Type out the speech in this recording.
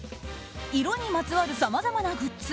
色にまつわるさまざまなグッズ